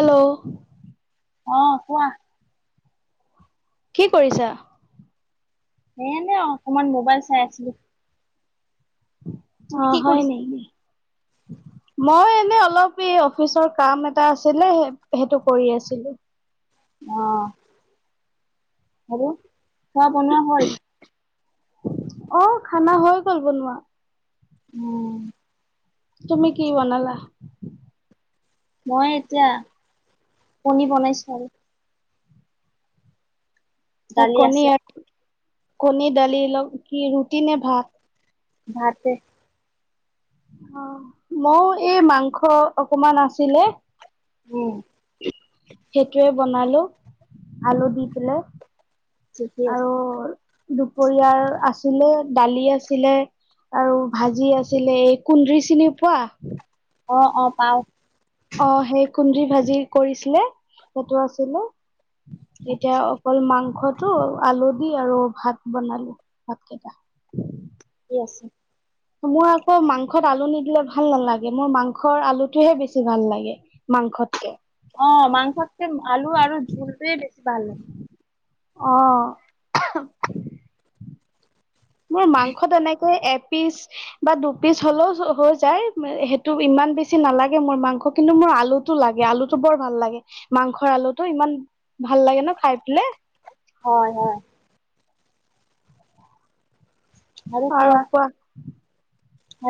Hello. অ', কোৱা। কি কৰিছা? এনে অকনমান মোবাইল চাই আছিলোঁ। কি অ', হয় কৰিছা নেকি? মই এনে অলপ এই অফিচৰ কাম এটা আছিলে সেইটো কৰি আছিলোঁ। অ', আৰু খোৱা বনোৱা হ'ল? অ', খানা হৈ গ'ল বনোৱা। উম। তুমি কি বনালা? মই এতিয়া কণী বনাইছোঁ আৰু। দালি কণী আছে আৰু--কণী দালি লগ, কি ৰুটি নে ভাত? ভাতে। অ', মইও এই মাংস অকমান আছিলে। উম। সেইটোৱে বনালো, আলু দি পাই। ঠিকে আছে। দুপৰীয়াৰ আছিলে, দালি আছিলে। আৰু ভাজি আছিলে এই কুন্দ্ৰি চিনি পোৱা? অ', অ', পাওঁ। অ', সেই কুন্দ্ৰিৰ ভাজি কৰিছিলে, সেইটো আছিলে। এতিয়া আচ্ছা অকল মাংসত হেতু আলু দি আৰু ভাত বনালো ভাত কেইটা। ঠিকে আছে। মই আকৌ মাংসত আলু নিদিলে ভাল নালাগে মোৰ মাংসৰ আলুটোহে বেছি ভাল লাগে। মাংসত কে। অ', মাংসত কেই আলু আৰু জঝুলটোৱে বেছি ভাল লাগে। অ'। মাংসত এনেকৈ এপিচ বা দুপিচ হলেও হৈ যায় সেইটো ইমান বেছি নালাগে মোৰ মাংস কিন্তু মোৰ আলু লাগে আলুটো বৰ ভাল লাগে মাংসৰ আলুতটো ইমান ভাল লাগে ন খাই পেলাই? হয়-হয়। আৰু কোৱা,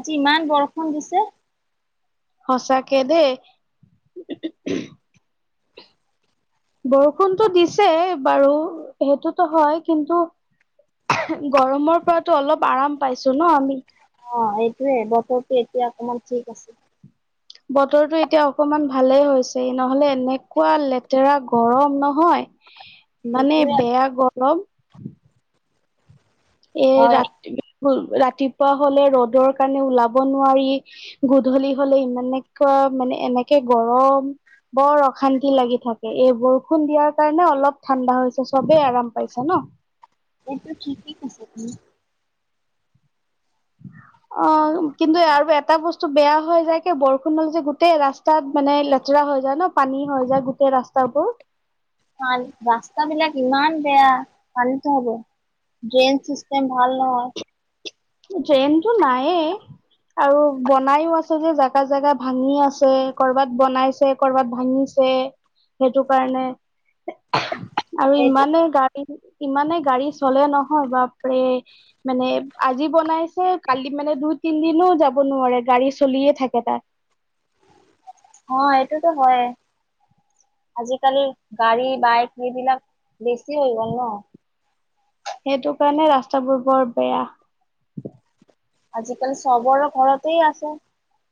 আজি ইমান বৰষুণ দিছে। সঁচাকে ডেই। বৰষুণতটো দিছে বাৰু সেইটোতো হয় কিন্তু গৰমৰ পৰাতো অলপ আৰাম পাইছোঁ ন আমি। অ', এইটোয়ে বতৰটো এতিয়া অকমান ঠিক আছে। বতৰটো এতিয়া অকমান ভালেই হৈছে নহলে এনেকুৱা লেতেৰা গৰম নহয়। ইমানে সেইটোয়ে বেয়া গৰম। এ হয় ৰা ৰাতিপুৱা হলে ৰ'দৰ কাৰণে ওলাব নোৱাৰি গধূলি হলে ইমান এনেকুৱা মানে এনেকে গৰম। বৰ অশান্তি লাগি থাকে এই বৰষুণ দিয়াৰ কাৰণে অলপ ঠাণ্ডা হৈছে চবেই আৰাম পাইছে ন? এইটো কি-কি [unintelligible] [inaudible] অ', কিন্তু আৰু এটা বস্তু বেয়া হৈ যায় কি বৰষুণ হল যে গোটেই ৰাস্তাত মানে লেতেৰা হৈ যায় ন? পানী হৈ যায় গোটেই ৰাস্তাবোৰ। ৰাস্তাবিলাক ইমান বেয়া পানীতো হ'ব। ড্ৰেইন চিষ্টেম ভাল নহয়। ড্ৰেইন টো নাইয়ে। আৰু বনাইও আছে যে জেগা-জেগা ভাঙি আছে কৰবাত বনাইছে কৰবাত ভাঙিছে। সেইটো কাৰণে। আৰু এই ইমানে গাড়ী ইমানে গাড়ী চলে নহয় বাপৰে, মানে আজি বনাইছে কালি মানে দুই তিনদিনো যাব নোৱাৰে গাড়ী চলিয়ে থাকে তাত। অ', এইটোতো হয়। আজিকালি গাড়ী বাইক এইবিলাক বেছি হৈ গ'ল ন? সেইটো কাৰণে ৰাস্তাবোৰ বৰ বেয়া। আজিকালি চবৰে ঘৰতেই আছে।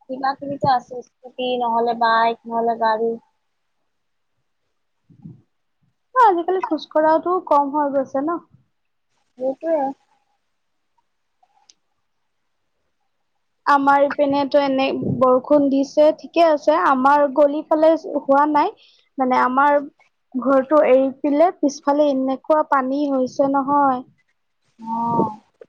কিবা কিবিটো আছে স্কুটি নহলে বাইক নহলে গাড়ী। অ', আজিকালি খোজকঢ়াটোউ কম হৈ গৈছে ন। সেইটোৱে। আমাৰ ইপিনেতো এনে বৰষুণ দিছে ঠিকে আছে আমাৰ গলি ফালে হোৱা নাই। মানে আমাৰ ঘৰটো এৰি পিলে পিছফালে এনেকুৱা পানী হৈছে নহয়। অ',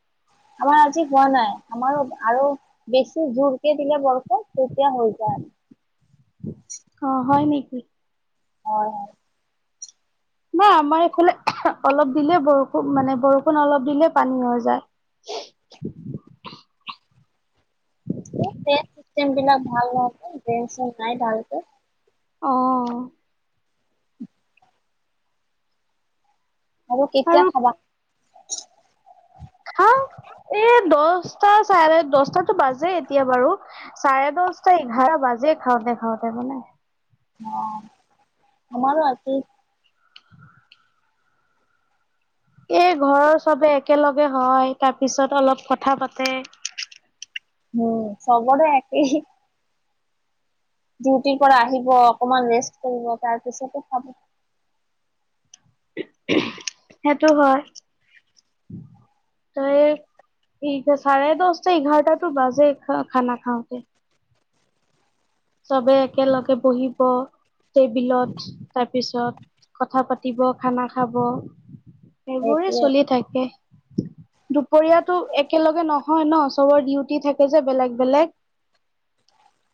আমাৰ আজি হোৱা নাই। আমাৰো আৰু বেছি জোৰ কে দিলে বৰফ তেতিয়া হৈ যাই। অ', হয় নেকি? হয়। নাই আমাৰ এইফালে অলপ দিলে বৰষুণ মানে বৰষুণ অলপ দিলে পানী হৈ যায়। ড্ৰেইন চিষ্টেম বিলাক ভাল নহয় যে, ড্ৰেইন শ্ৰেণ নাই ভালকে। অ', অ'। আৰু কেতিয়া খাবা? খাওঁ। এ দহটা চাৰে দহটাটো বাজে এতিয়া বাৰু। চাৰে দহটা এঘাৰ বাজে খাওঁতে-খাওঁতে মানে। অ', আমাৰো আজি এই ঘৰৰ চবে একেলগে হয় তাৰপিছত অলপ কথা পাতে। উম, চবৰে একেই। ডিউটিৰ পৰা আহিব অকমান ৰেষ্ট কৰিব তাৰ পিছতো খাব। সেইটো হয়, ত এই চাৰে দহটা এঘাৰটাটো বাজে খ খানা খাওঁতে। চবে একেলগে বহিব। টেবিলত তাৰপিছত কথা পাতিব খানা খাব। সেইবোৰে সেইটোৱে চলি থাকে। দুপৰীয়াতো একেলগে নহয় ন, চবৰ ডিউটি থাকে যে বেলেগ-বেলেগ।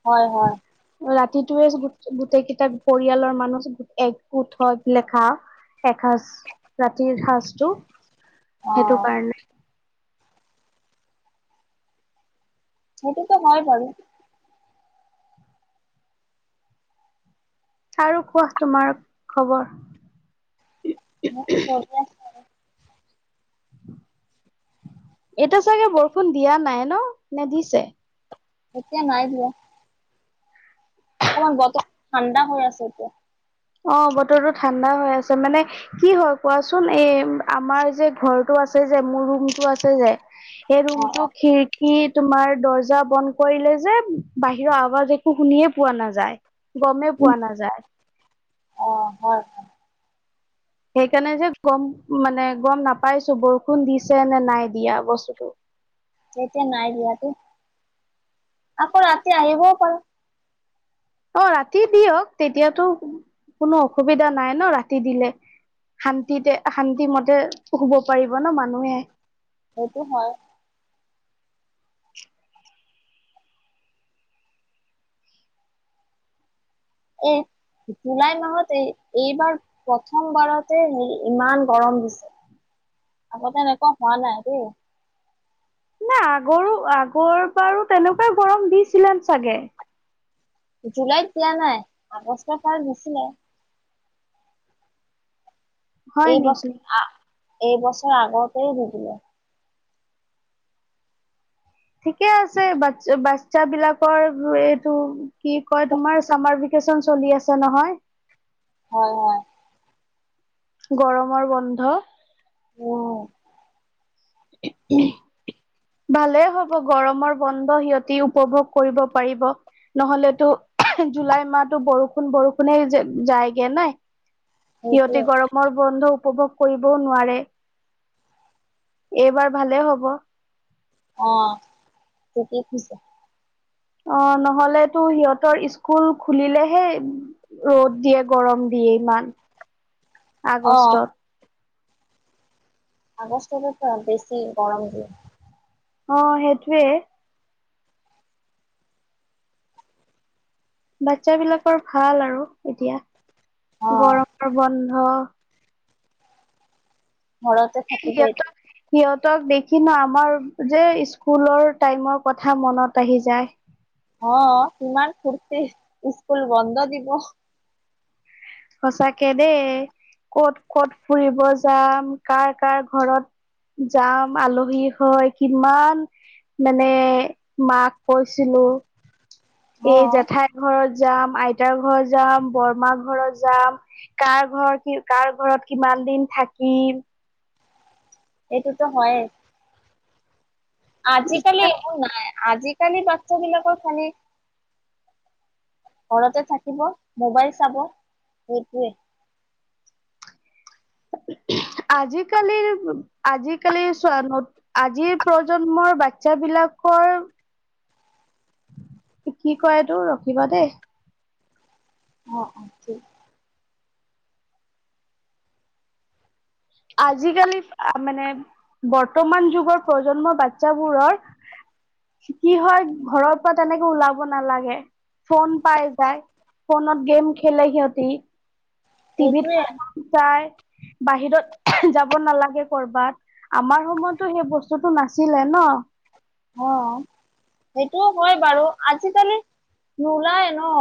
হয়-হয়। ৰাতিটোয়ে যি গোটেই কেইটা পৰিয়ালৰ মানুহ একগোট হয় পিলে খাওঁ। এসাঁজ, ৰাতিৰ সজটো অ সেইটো কাৰণে। সেইটোতো হয় বাৰু। আৰু কোৱা তোমাৰ খবৰ? মুৰ চলি আছে। আৰু এতি চাগে বৰষুণ দিয়া নাই ন নে দিছে? এতিয়া নাই দিয়া। অকণমান বতৰটো ঠাণ্ডা হৈ আছে এতিয়া। অ', বতৰটো ঠাণ্ডা হৈ আছে মানে কি হয় কোৱাচোন এই আমাৰ যে ঘৰটো আছে যে মোৰ ৰুমটো আছে যে? এই ৰৰুমটো অ খি স তোমাৰ দৰ্জা বন্ধ কৰিলে যে বাহিৰৰ আৱাজ একো শুনিয়ে পোৱা নাযায়। গমেই পোৱা নাযায়। অ', হয়। সেইকাৰণে যে গম মানে গম নেপাইছোঁ বৰষুণ দিছে নে নাই দিয়া বস্তুতটো। এতিয়া নাইদিয়া দে আকৌ ৰাতি আহিবও পাৰে। অ', ৰাতি দিয়ক, তেতিয়াতো কোনো অসুবিধা নাই ন ৰাতি দিলে। শান্তিতে শান্তি মতে শুব পাৰিব ন মানুহে। সেইটো হয়। এই জুলাই মাহত এই এইবাৰ প্ৰথমবাৰতে হে ইমান গৰম দিছে। আগতে এনেকুৱা হোৱা নাই দেই। নাই আগৰো আগৰ বাৰো তেনেকুৱাই গৰম দিছিলে চাগে? জুলাইত দিয়া নাই আগষ্টৰপা দিছিলে। হয় নেকি? এইবছৰ আ এইবছৰ আগতে দি দিলে। ঠিকে আছে বাচ্ছা-বাচ্ছা বিলাকৰ এইটো কি কয় তোমাৰ চামাৰ বি ভাকেচন চলি আছে নহয়। হয়-হয়। গৰমৰ বন্ধ। উম [unintelligible] ভালেই হব গৰমৰ বন্ধ সিহতি উপভোগ কৰিব পাৰিব। নহ'লেতো জুলাই মাহতো বৰষুণ-বৰষুণে যায়গে নে। সিহঁতে সেইটোৱে গৰব ৰ বন্ধ উপভোগ কৰিবও নোৱাৰে, এইবাৰ ভালে হ'ব। অ', ঠিকে কৈছা। অ', নহলে তো সিহঁতৰ স্কুল খুলিলেহে ৰ'দ দিয়ে গৰম দিয়ে ইমান অ আগষ্টত। আগষ্টৰো [unintelligible] বছি গৰম দিয়ে। অ', সেইটোৱে। বাচ্ছা বিলাকৰ ভাল আৰু অ এতিয়া গৰৰ বন্ধ। ঘৰতে থাকিব সিহঁতক এতিয়া। সিহঁতক দেখি ন আমাৰ যে স্কুলৰ টাইমৰ কথা মনত আহি যায়। অ', ইমান ফূৰ্তি স্কুল বন্ধ দিব। সচাকে দেই ক'ত-ক'ত ফুৰিব যাম, কাৰ-কাৰ ঘৰত যাম আলহী হৈ কিমান মানে মাক কৈছিলোঁ। এই জেঠাইৰ ঘৰত যাম, আইতাৰ ঘৰত যাম, বৰমাৰ ঘৰত যাম কাৰ ঘৰ কি কাৰ ঘৰত কিমান দিন থাকিম। এইটোতো হৈয়ে। আজিকালি একো নাই, আজিকালি বাচ্ছা বিলাকক আমি ঘৰতে থাকিব, মোবাইল চাব, সেইটোৱে। আজিকালিৰ আজিকালি চোৱা আজিৰ প্ৰজন্মৰ বাচ্ছাবিলাকৰ কি কয় এইটো, ৰখিবা দেই। অ, অ', ঠিক আজিকালি আ মানে বৰ্তমান যুগৰ প্ৰজন্মৰ বাচ্ছাবোৰৰ কি হয় ঘৰৰ পৰা তেনেকে ওলাব নালাগে, ফোন পাই যায়। ফোনত গেম খেলে সিহঁতি। টিভিত সেইটোৱে চাই বাহিৰত যাব নালাগে ক'ৰবাত। আমাৰ সময়ততো সেই বস্তুটো নাছিলে ন। অ [inaudible] সেইটোও হয় বাৰু, আজিকালি নোলায় ন।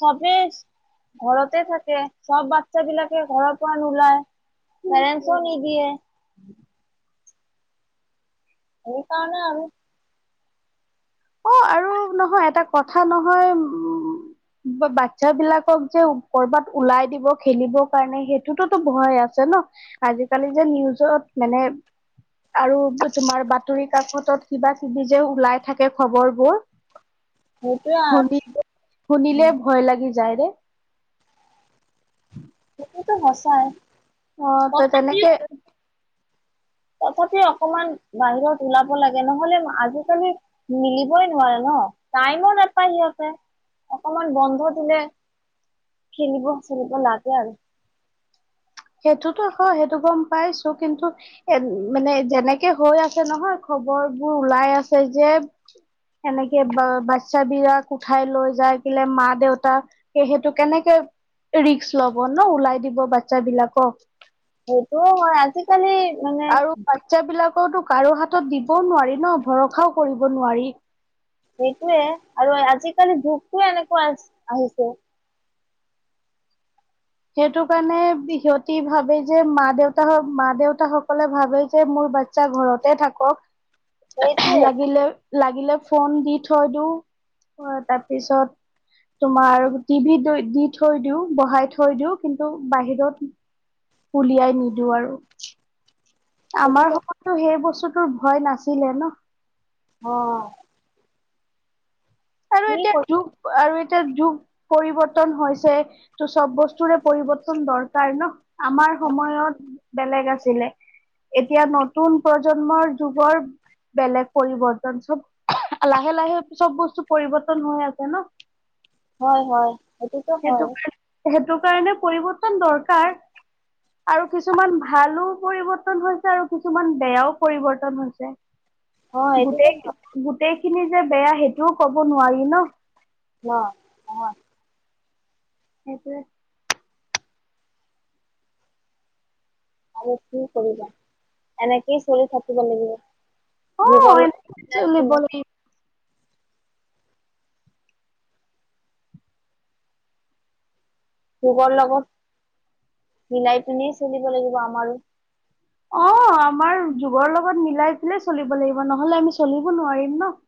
চবেই ঘৰতে থাকে, চব বাচ্ছাবিলাকে ঘৰৰ পৰা নোলায়। পেৰেঞ্চও নিদিয়ে। সেইকাৰণে আমি অ', আৰু নহয় এটা কথা নহয় উম ব বাচ্ছা বিলাকক যে কৰ'বাত ওলাই দিব খেলিবৰ কাৰণে, সেইটোটো ভয় আছে ন। আজিকালি যে নিউজত মানে আৰু তোমাৰ বাতৰি কাকতত কিবা কিবি যে ওলাই থাক কে খবৰবোৰ, সেইটোৱে আৰু শুনি শুনিলে ভয় লাগি যায় ৰে। সেইটোতো সঁচা। অ', ত' তেনেকে তথাপিও অকমান বাহিৰত ওলাব লাগে, নহ'লে আজিকালি মিলিবই নোৱাৰে ন, টাইমো নাপায় সিহঁতে। অকমান বন্ধ দিলে, খেলিব চেলিব লাগে আৰু। সেইটোতো হয়, সেইটো গম পাইছো, কিন্তু এ মানে যেনেকে হৈ আছে নহয়, খবৰবোৰ ওলাই আছে যে এনেকে বা বাচ্ছাবিলাক উঠাই লৈ যাই কেলে মা দেউতাক সেই সেইটো কেনেকে ৰিক্স ল'ব ন, ওলাই দিব বাচ্ছা বিলাকক। সেইটোও হয়, আজি আৰু বাচ্ছাবিলাকওতো কাৰো হাতত দিবও নোৱাৰি ন, ভৰসাও কৰিব নোৱাৰি। সেইটোয়ে আৰু আজিকালি যুগটোৱে এনেকুৱা আহি আহিছে। সেইটো কাৰণে সিহঁতি ভাবে যে মা দেউতা হওঁক মা দেউতা সকলে ভাবে যে মোৰ বা বাচ্ছা ঘৰতে থাকক সেইটোয়ে লাগিলে। লাগিলে ফোন দি থৈ দিওঁ, তাৰপিছত তোমাৰ টিভিত দি থৈ দিওঁ বহাই থৈ দিওঁ, কিন্তু বাহিৰত উলিয়াই নিদো আৰু। আমাৰ সেইটোতো সময়ততো সেই বস্তুটোৰ ভয় নাছিলে ন। অ'। আৰু কি এতিয়া কৰি যুগ আৰু এতিয়া যুগ পৰিৱৰ্তন হৈছে। ত' চব বস্তুৰে পৰিৱৰ্তন দৰকাৰ ন, আমাৰ সময়ত বেলেগ আছিলে। এতিয়া নতুন প্ৰজন্মৰ যুগৰ বেলেগ পৰিবৰ্তন চব, লাহে- লাহে চব বস্তু পৰিৱৰ্তন হৈ আছে ন। হয়-হয়। সেইটো কাৰ, সেইটো কাৰণে পৰিৱৰ্তন দৰকাৰ। আৰু কিছুমান ভালো পৰিৱৰ্তন হৈছে আৰু কিছুমান বেয়াও পৰিৱৰ্তন হৈছে। অ এইটোতো গোটেই হয় গোটেইখিনি যে বেয়া সেইটোও কব নোৱাৰি ন? ন, নহয়। সেইটোৱে। আৰু কি কৰিবা, এনেকেই চলি থাকিব লাগিব। ভূগল অ', [inaudible] এনেকে চলিব লাগিব। যুগৰ লগত মিলাই কিনিয়ে চলিব লাগিব আমাৰো। অ', আমাৰ যুগৰ লগত মিলাই পেলাই চলিব লাগিব। নহলে আমি চলিব নোৱাৰিম ন? [unintelligible]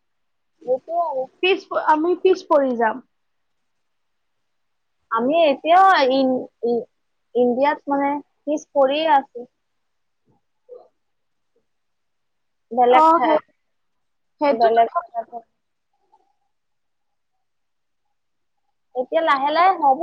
সেইটোৱে আৰু। পিছ আমি পিছ পৰি যাম। আমি এতিয়াও ইণ্ডি-ইণ্ডিয়াত মানে পিছ পৰিয়ে আছোঁ। বেলেগ অ', সেই ঠাইত, সেইটো বেলেগ ঠাই এতিয়া লাহে-লাহে হ'ব